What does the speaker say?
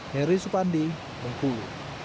heri supandi bengkulu